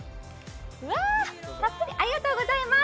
たっぷり、ありがとうございます。